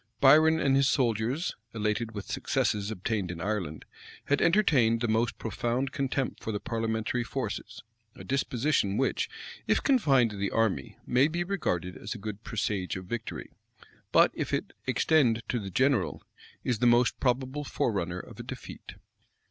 Biron and his soldiers, elated with successes obtained in Ireland, had entertained the most profound contempt for the parliamentary forces; a disposition which, if confined to the army, may be regarded as a good presage of victory; but if it extend to the general, is the most probable forerunner of a defeat.